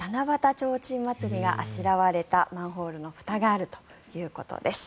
ちょうちんまつりがあしらわれたマンホールのふたがあるということです。